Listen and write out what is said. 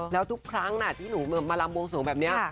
แล้วทุกครั้งที่หนูมาลำวงสวงแบบนี้